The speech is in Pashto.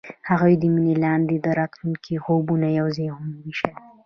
هغوی د مینه لاندې د راتلونکي خوبونه یوځای هم وویشل.